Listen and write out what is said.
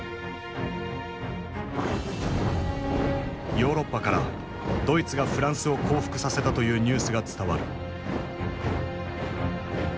ヨーロッパからドイツがフランスを降伏させたというニュースが伝わる。